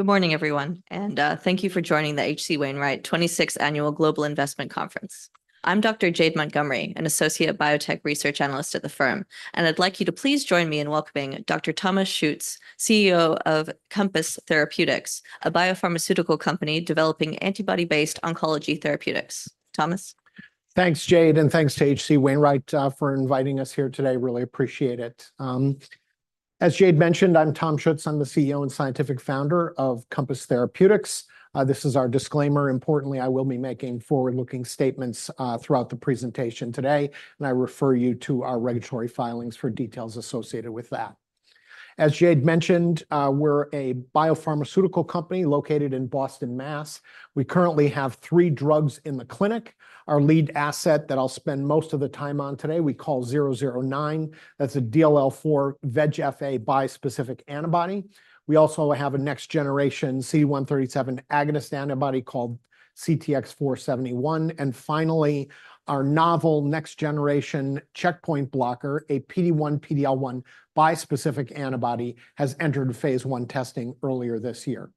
Good morning, everyone, and thank you for joining the H.C. Wainwright 26th Annual Global Investment Conference. I'm Dr. Jade Montgomery, an associate biotech research analyst at the firm, and I'd like you to please join me in welcoming Dr. Thomas Schuetz, CEO of Compass Therapeutics, a biopharmaceutical company developing antibody-based oncology therapeutics. Thomas? Thanks, Jade, and thanks to H.C. Wainwright for inviting us here today. Really appreciate it. As Jade mentioned, I'm Tom Schutz. I'm the CEO and scientific founder of Compass Therapeutics. This is our disclaimer. Importantly, I will be making forward-looking statements throughout the presentation today, and I refer you to our regulatory filings for details associated with that. As Jade mentioned, we're a biopharmaceutical company located in Boston, Mass. We currently have three drugs in the clinic. Our lead asset that I'll spend most of the time on today, we call 009. That's a DLL4 VEGF-A bispecific antibody. We also have a next generation CD137 agonist antibody called CTX-471. And finally, our novel next generation checkpoint blocker, a PD-1, PD-L1 bispecific antibody, has entered phase I testing earlier this year.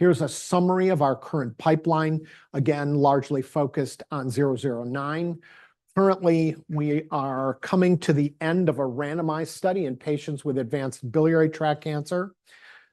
Here's a summary of our current pipeline, again, largely focused on 009. Currently, we are coming to the end of a randomized study in patients with advanced biliary tract cancer.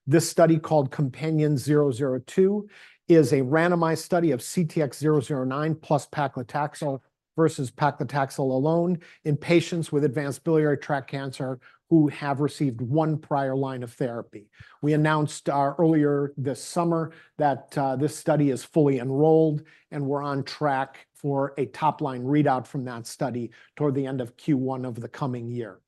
This study, called COMPANION-002, is a randomized study of CTX-009 plus paclitaxel versus paclitaxel alone in patients with advanced biliary tract cancer who have received one prior line of therapy. We announced earlier this summer that this study is fully enrolled, and we're on track for a top-line readout from that study toward the end of Q1 of the coming year.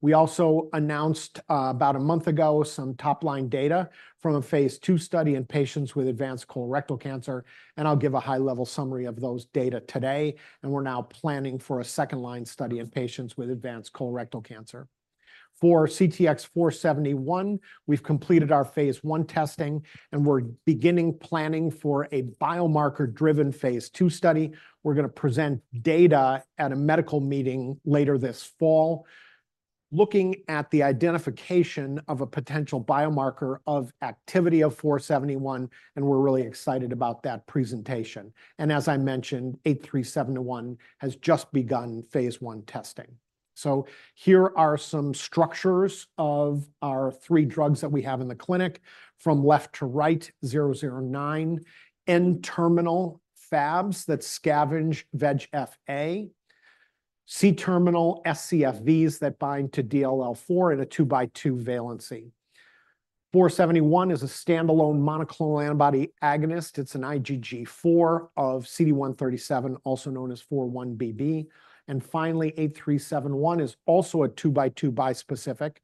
We also announced about a month ago some top-line data from a phase II study in patients with advanced colorectal cancer, and I'll give a high-level summary of those data today. And we're now planning for a second line study in patients with advanced colorectal cancer. For CTX-471, we've completed our phase I testing, and we're beginning planning for a biomarker-driven phase II study. We're gonna present data at a medical meeting later this fall, looking at the identification of a potential biomarker of activity of 471, and we're really excited about that presentation, and as I mentioned, 8371 has just begun phase I testing, so here are some structures of our three drugs that we have in the clinic. From left to right, 009, N-terminal Fabs that scavenge VEGF-A, C-terminal scFvs that bind to DLL4 at a two-by-two valency. 471 is a standalone monoclonal antibody agonist. It's an IgG4 of CD137, also known as 4-1BB, and finally, 8371 is also a two-by-two bispecific.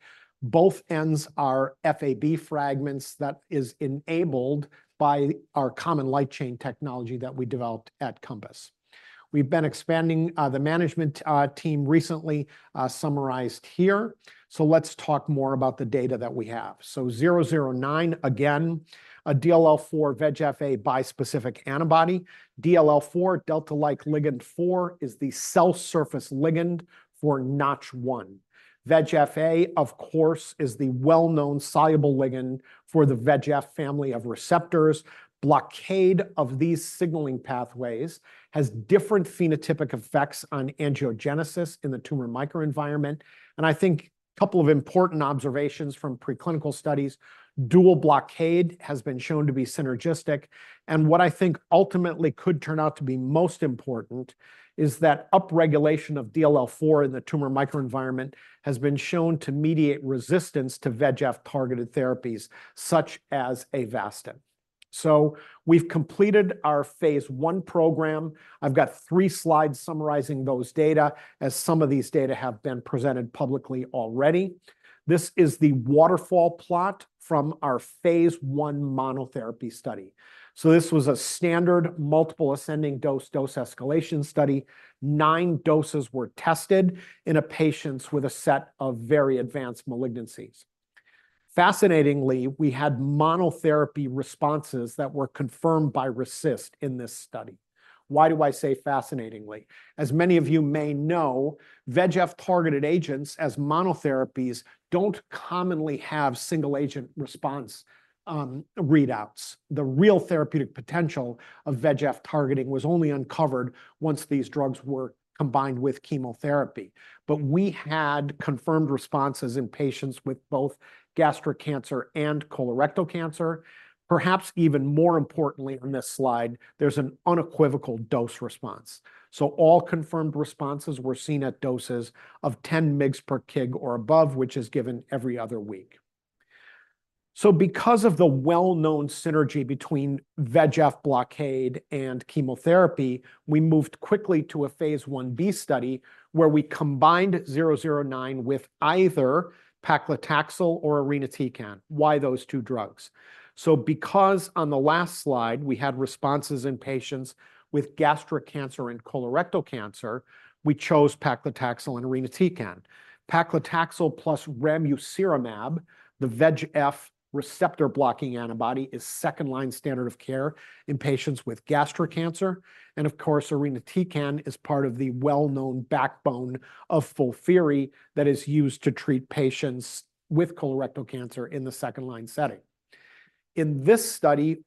Both ends are Fab fragments that is enabled by our Common Light Chain technology that we developed at Compass.We've been expanding the management team recently, summarized here. So let's talk more about the data that we have. So 009, again, a DLL4 VEGF-A bispecific antibody. DLL4, delta-like ligand 4, is the cell surface ligand for Notch1. VEGF-A, of course, is the well-known soluble ligand for the VEGF family of receptors. Blockade of these signaling pathways has different phenotypic effects on angiogenesis in the tumor microenvironment, and I think a couple of important observations from preclinical studies. Dual blockade has been shown to be synergistic. And what I think ultimately could turn out to be most important is that upregulation of DLL4 in the tumor microenvironment has been shown to mediate resistance to VEGF-targeted therapies such as Avastin. So we've completed our phase I program. I've got three slides summarizing those data, as some of these data have been presented publicly already. This is the waterfall plot from our phase I monotherapy study. So this was a standard multiple ascending dose escalation study. Nine doses were tested in patients with a set of very advanced malignancies. Fascinatingly, we had monotherapy responses that were confirmed by RECIST in this study. Why do I say fascinatingly? As many of you may know, VEGF-targeted agents as monotherapies don't commonly have single-agent response, readouts. The real therapeutic potential of VEGF targeting was only uncovered once these drugs were combined with chemotherapy. But we had confirmed responses in patients with both gastric cancer and colorectal cancer. Perhaps even more importantly on this slide, there's an unequivocal dose response. So all confirmed responses were seen at doses of 10 mg per kg or above, which is given every other week. So because of the well-known synergy between VEGF blockade and chemotherapy, we moved quickly to a phase Ib study, where we combined 009 with either paclitaxel or irinotecan. Why those two drugs? So because on the last slide, we had responses in patients with gastric cancer and colorectal cancer, we chose paclitaxel and irinotecan. Paclitaxel plus ramucirumab, the VEGF receptor-blocking antibody, is second-line standard of care in patients with gastric cancer. And of course, irinotecan is part of the well-known backbone of FOLFIRI that is used to treat patients with colorectal cancer in the second-line setting. In this study,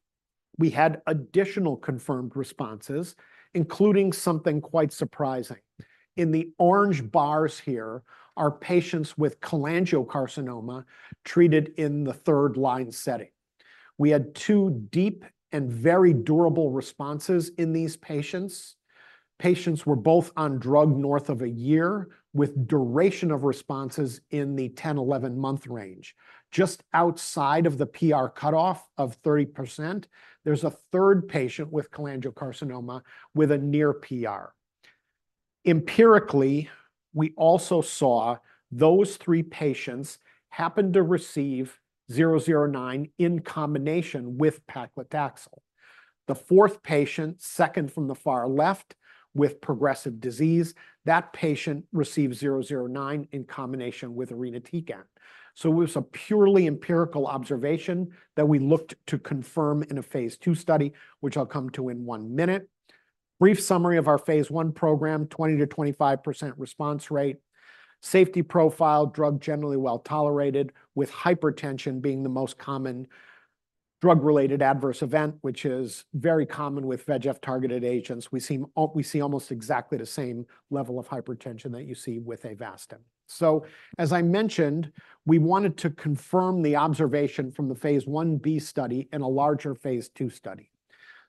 we had additional confirmed responses, including something quite surprising. In the orange bars here, are patients with cholangiocarcinoma treated in the third-line setting. We had two deep and very durable responses in these patients. Patients were both on drug north of a year, with duration of responses in the 10-11-month range. Just outside of the PR cutoff of 30%, there's a third patient with cholangiocarcinoma with a near PR. Empirically, we also saw those three patients happened to receive 009 in combination with paclitaxel. The fourth patient, second from the far left, with progressive disease, that patient received 009 in combination with irinotecan. So it was a purely empirical observation that we looked to confirm in a phase II study, which I'll come to in one minute. Brief summary of our phase I program: 20%-25% response rate. Safety profile: drug generally well-tolerated, with hypertension being the most common drug-related adverse event, which is very common with VEGF-targeted agents. We see almost exactly the same level of hypertension that you see with Avastin. So, as I mentioned, we wanted to confirm the observation from the phase Ib study in a larger phase II study.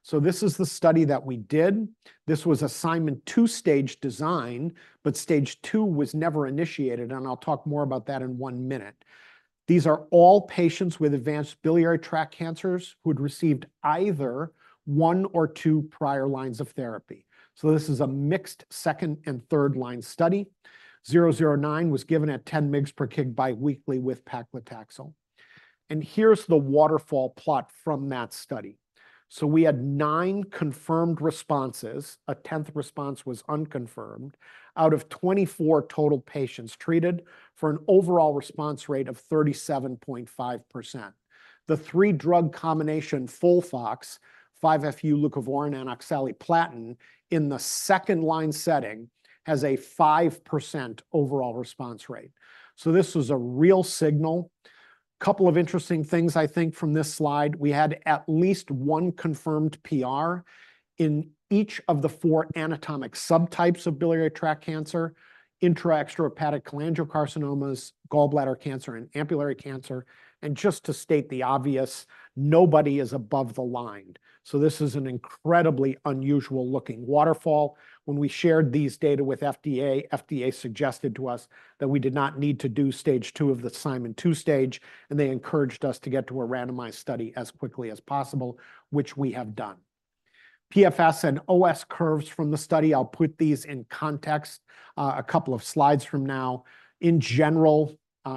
So this is the study that we did. This was Simon's two-stage design, but stage II was never initiated, and I'll talk more about that in one minute. These are all patients with advanced biliary tract cancers who'd received either one or two prior lines of therapy. So this is a mixed second- and third-line study. 009 was given at 10 mg per kg biweekly with paclitaxel. And here's the waterfall plot from that study. So we had nine confirmed responses. A 10th response was unconfirmed, out of 24 total patients treated, for an overall response rate of 37.5%. The three-drug combination FOLFOX, 5-FU, leucovorin, and oxaliplatin, in the second-line setting, has a 5% overall response rate. So this was a real signal. Couple of interesting things, I think, from this slide. We had at least one confirmed PR in each of the four anatomic subtypes of biliary tract cancer: intrahepatic cholangiocarcinomas, gallbladder cancer, and ampullary cancer. And just to state the obvious, nobody is above the line. So this is an incredibly unusual-looking waterfall. When we shared these data with FDA, FDA suggested to us that we did not need to do Stage II of the Simon's two-stage, and they encouraged us to get to a randomized study as quickly as possible, which we have done. PFS and OS curves from the study, I'll put these in context, a couple of slides from now. In general,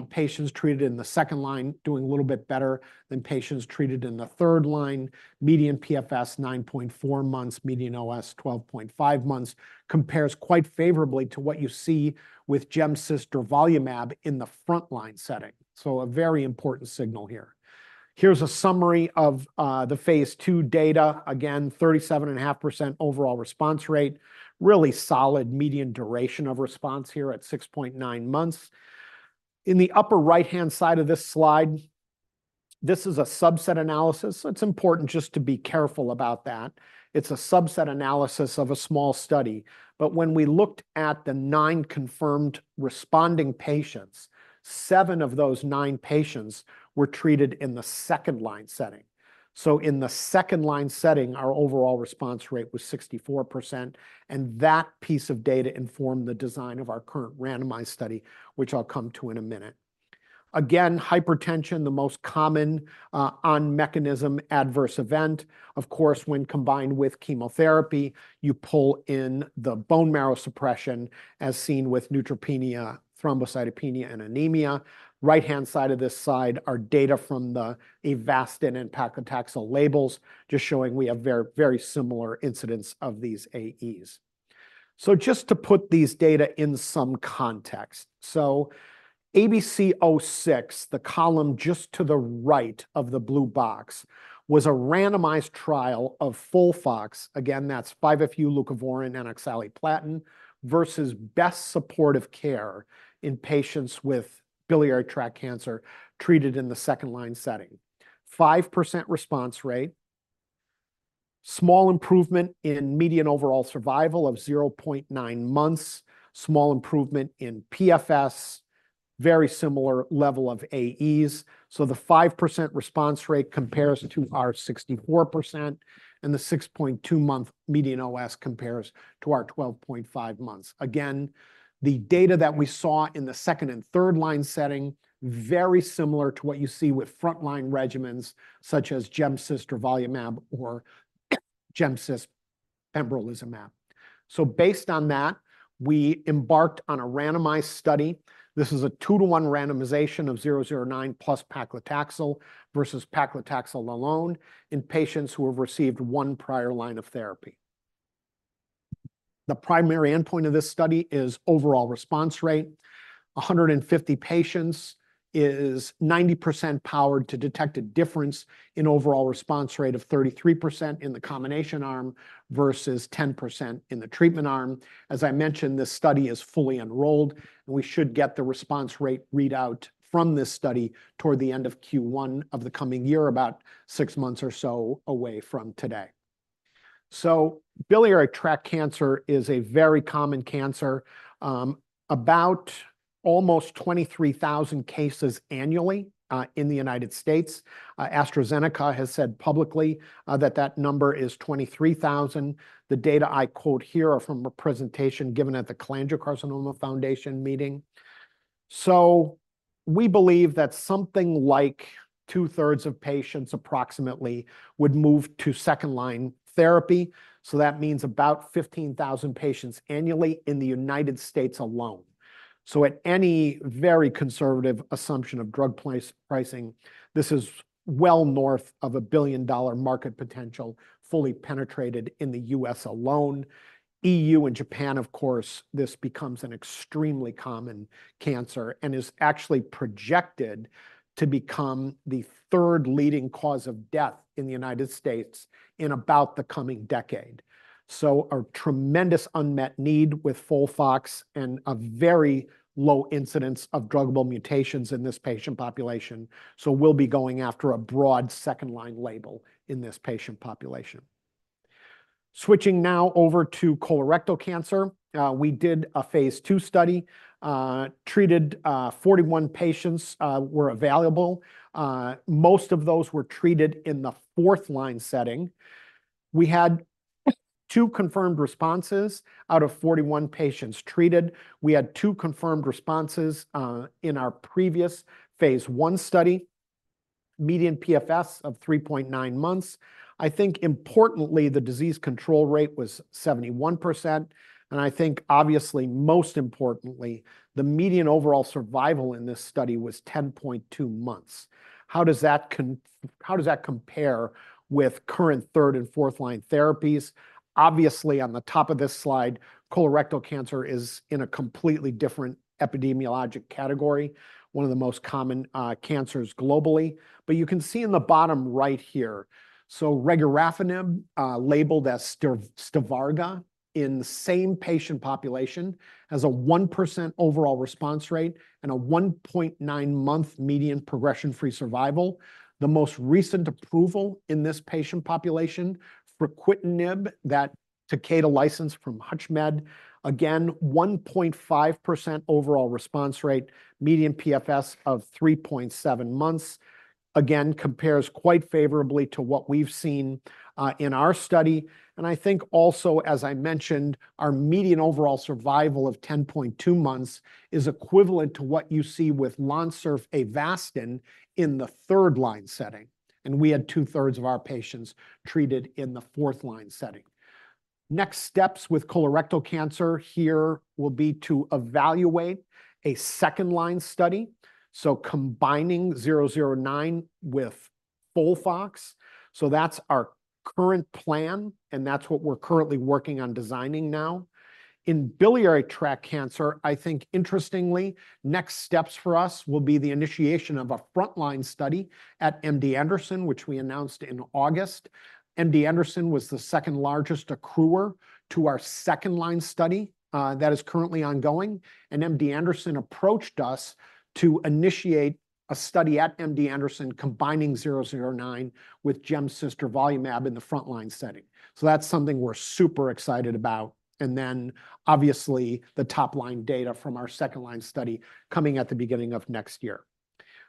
patients treated in the second line doing a little bit better than patients treated in the third line. Median PFS, 9.4 months. Median OS, 12.5 months. Compares quite favorably to what you see with gemcitabine plus durvalumab in the front-line setting. So a very important signal here. Here's a summary of the phase II data. Again, 37.5% overall response rate. Really solid median duration of response here at 6.9 months. In the upper right-hand side of this slide, this is a subset analysis. It's important just to be careful about that. It's a subset analysis of a small study. But when we looked at the nine confirmed responding patients, seven of those nine patients were treated in the second-line setting. So in the second-line setting, our overall response rate was 64%, and that piece of data informed the design of our current randomized study, which I'll come to in a minute. Again, hypertension, the most common on-mechanism adverse event. Of course, when combined with chemotherapy, you pull in the bone marrow suppression, as seen with neutropenia, thrombocytopenia, and anemia. Right-hand side of this slide are data from the Avastin and paclitaxel labels, just showing we have very, very similar incidence of these AEs. So just to put these data in some context. So ABC-06, the column just to the right of the blue box, was a randomized trial of FOLFOX. Again, that's 5-FU, leucovorin, and oxaliplatin, versus best supportive care in patients with biliary tract cancer treated in the second-line setting. 5% response rate, small improvement in median overall survival of 0.9 months, small improvement in PFS, very similar level of AEs. So the 5% response rate compares to our 64%, and the 6.2-month median OS compares to our 12.5 months. Again, the data that we saw in the second and third-line setting, very similar to what you see with front-line regimens such as gemcitabine plus durvalumab or gemcitabine plus pembrolizumab. So based on that, we embarked on a randomized study. This is a two-to-one randomization of 009 plus paclitaxel versus paclitaxel alone in patients who have received one prior line of therapy. The primary endpoint of this study is overall response rate. 100 patients is 90% powered to detect a difference in overall response rate of 33% in the combination arm versus 10% in the treatment arm. As I mentioned, this study is fully enrolled, and we should get the response rate readout from this study toward the end of Q1 of the coming year, about six months or so away from today. Biliary tract cancer is a very common cancer, about almost 23,000 cases annually in the United States. AstraZeneca has said publicly that that number is 23,000. The data I quote here are from a presentation given at the Cholangiocarcinoma Foundation meeting. We believe that something like two-thirds of patients approximately would move to second-line therapy, so that means about 15,000 patients annually in the United States alone. At any very conservative assumption of drug pricing, this is well north of a $1 billion market potential, fully penetrated in the U.S. alone. EU and Japan, of course, this becomes an extremely common cancer and is actually projected to become the third leading cause of death in the United States in about the coming decade. So a tremendous unmet need with FOLFOX and a very low incidence of druggable mutations in this patient population. So we'll be going after a broad second-line label in this patient population. Switching now over to colorectal cancer. We did a phase II study. Treated forty-one patients were evaluable. Most of those were treated in the fourth line setting. We had two confirmed responses out of forty-one patients treated. We had two confirmed responses in our previous phase I study, median PFS of 3.9 months. I think importantly, the disease control rate was 71%, and I think obviously, most importantly, the median overall survival in this study was 10.2 months. How does that compare with current third and fourth-line therapies? Obviously, on the top of this slide, colorectal cancer is in a completely different epidemiologic category, one of the most common cancers globally. But you can see in the bottom right here, so regorafenib, labeled as Stivarga, in the same patient population, has a 1% overall response rate and a 1.9-month median progression-free survival. The most recent approval in this patient population fruquintinib, that Takeda licensed from HutchMed. Again, 1.5% overall response rate, median PFS of 3.7 months. Again, compares quite favorably to what we've seen in our study. And I think also, as I mentioned, our median overall survival of 10.2 months is equivalent to what you see with Lonsurf Avastin in the third-line setting, and we had two-thirds of our patients treated in the fourth-line setting. Next steps with colorectal cancer here will be to evaluate a second-line study, so combining 009 with FOLFOX. So that's our current plan, and that's what we're currently working on designing now. In biliary tract cancer, I think interestingly, next steps for us will be the initiation of a frontline study at MD Anderson, which we announced in August. MD Anderson was the second largest accruer to our second-line study, that is currently ongoing, and MD Anderson approached us to initiate a study at MD Anderson, combining 009 with gemcitabine in the frontline setting. So that's something we're super excited about, and then obviously, the top-line data from our second-line study coming at the beginning of next year.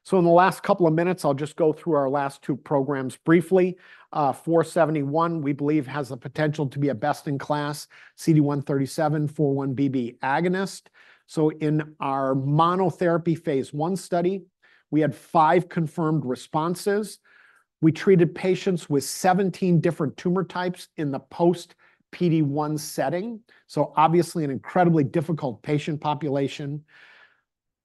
So in the last couple of minutes, I'll just go through our last two programs briefly. 471, we believe, has the potential to be a best-in-class CD137, 4-1BB agonist. In our monotherapy phase I study, we had five confirmed responses. We treated patients with 17 different tumor types in the post PD-1 setting, so obviously an incredibly difficult patient population.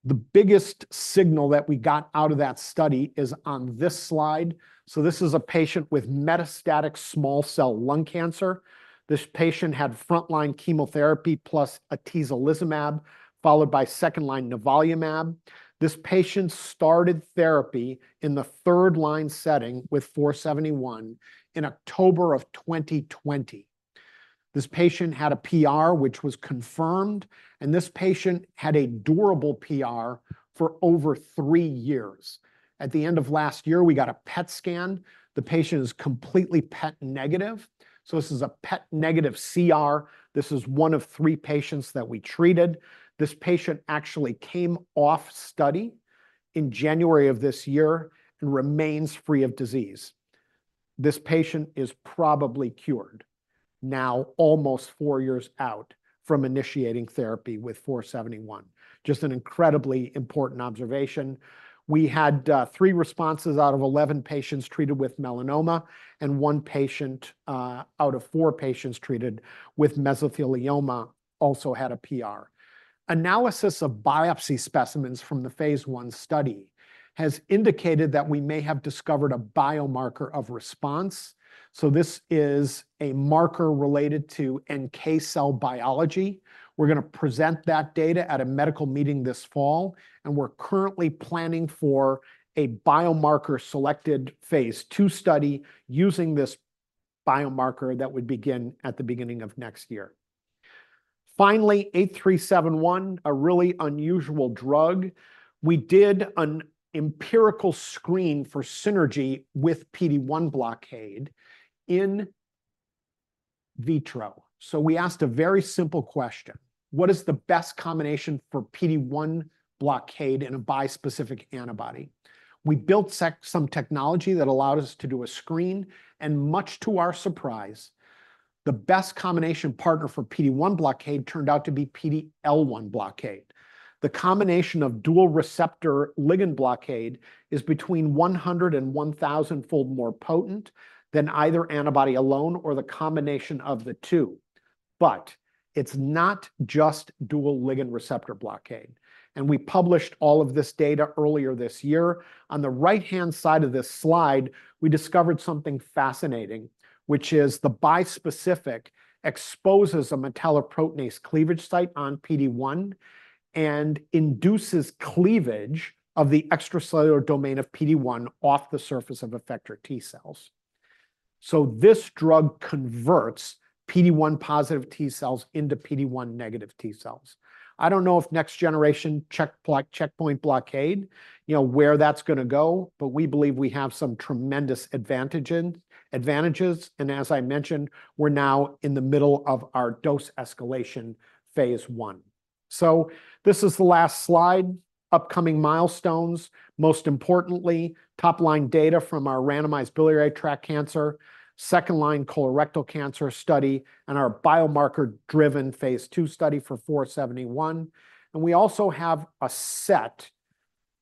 The biggest signal that we got out of that study is on this slide. This is a patient with metastatic small cell lung cancer. This patient had frontline chemotherapy, plus atezolizumab, followed by second-line nivolumab. This patient started therapy in the third-line setting with 471 in October of 2020. This patient had a PR, which was confirmed, and this patient had a durable PR for over 3 years. At the end of last year, we got a PET scan. The patient is completely PET negative, so this is a PET-negative CR. This is one of three patients that we treated. This patient actually came off study in January of this year and remains free of disease. This patient is probably cured now, almost four years out from initiating therapy with 471. Just an incredibly important observation. We had three responses out of 11 patients treated with melanoma, and one patient out of four patients treated with mesothelioma also had a PR. Analysis of biopsy specimens from the phase I study has indicated that we may have discovered a biomarker of response. So this is a marker related to NK cell biology. We're gonna present that data at a medical meeting this fall, and we're currently planning for a biomarker-selected phase II study using this biomarker that would begin at the beginning of next year. Finally, 8371, a really unusual drug. We did an empirical screen for synergy with PD-1 blockade in vitro. So we asked a very simple question: What is the best combination for PD-1 blockade in a bispecific antibody? We built some technology that allowed us to do a screen, and much to our surprise, the best combination partner for PD-1 blockade turned out to be PD-L1 blockade. The combination of dual receptor ligand blockade is between one hundred and one thousand fold more potent than either antibody alone or the combination of the two. But it's not just dual ligand receptor blockade, and we published all of this data earlier this year. On the right-hand side of this slide, we discovered something fascinating, which is the bispecific exposes a metalloprotease cleavage site on PD-1 and induces cleavage of the extracellular domain of PD-1 off the surface of effector T cells. So this drug converts PD-1 positive T cells into PD-1 negative T cells. I don't know if next generation checkpoint blockade, you know, where that's gonna go, but we believe we have some tremendous advantages. And as I mentioned, we're now in the middle of our dose escalation phase I. So this is the last slide. Upcoming milestones, most importantly, top-line data from our randomized biliary tract cancer second-line colorectal cancer study, and our biomarker-driven phase II study for 471. And we also have a set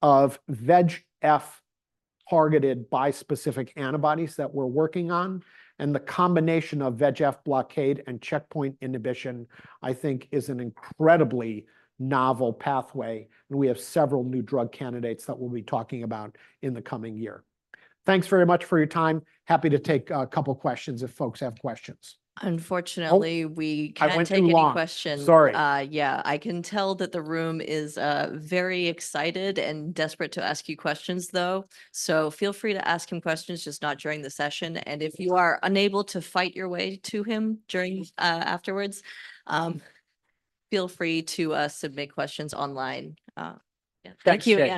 of VEGF-targeted bispecific antibodies that we're working on, and the combination of VEGF blockade and checkpoint inhibition, I think, is an incredibly novel pathway, and we have several new drug candidates that we'll be talking about in the coming year. Thanks very much for your time. Happy to take a couple questions if folks have questions. Unfortunately, we- I went too long.... can't take any questions. Sorry. Yeah, I can tell that the room is very excited and desperate to ask you questions, though. So feel free to ask him questions, just not during the session. And if you are unable to fight your way to him during, afterwards, feel free to submit questions online. Yeah. Thank you. Thank you again.